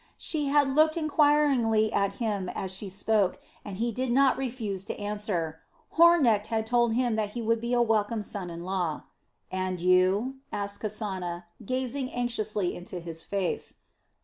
She had looked enquiringly at him as she spoke, and he did not refuse to answer Hornecht had told him that he would be a welcome son in law. "And you?" asked Kasana, gazing anxiously into his face.